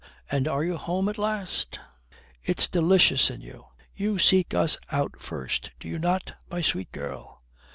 And are you home at last? It's delicious in you. You seek us out first, do you not? My sweet girl!"